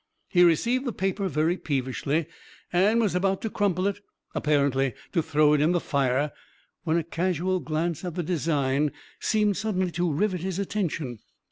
He received the paper very peevishly, and was about to crumple it, apparently to throw it in the fire, when a casual glance at the design seemed suddenly to rivet his attention.